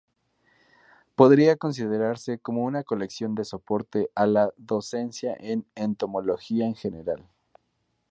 Podría considerarse como una Colección de soporte a la docencia en Entomología en general.